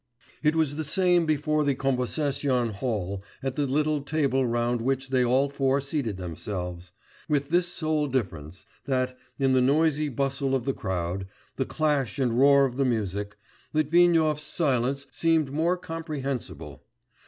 It was the same before the Konversation Hall at the little table round which they all four seated themselves, with this sole difference, that, in the noisy bustle of the crowd, the clash and roar of the music, Litvinov's silence seemed more comprehensible.